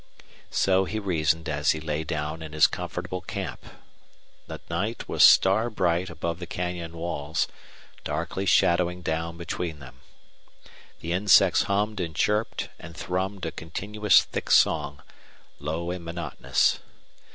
So he reasoned as he lay down in his comfortable camp. The night was star bright above the canyon walls, darkly shadowing down between them. The insects hummed and chirped and thrummed a continuous thick song, low and monotonous.